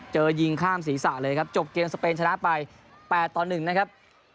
เจอยิงข้ามศีรษะเลยครับจบเกมเสพนชนะไป๘๑นะครับ